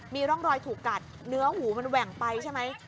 มีร่องรอยถูกกัดเนื้อหูมันแหว่งไปใช่ไหม